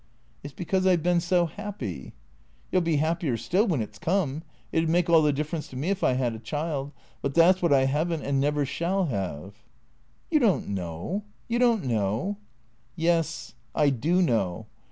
" It 's because I 've been so happy." " You '11 be 'appier still when it 's come. It 'd make all the difference to me if I 'ad a child. But that 's wliat I have n't and never shall have." "You don't know. You don't know." " Yes. I do know."